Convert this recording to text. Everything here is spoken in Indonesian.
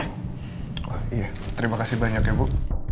wah iya terima kasih banyak ya bu